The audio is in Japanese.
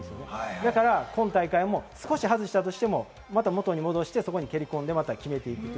だから今大会も少し外したとしても、また元に戻して蹴り込んで決めていく。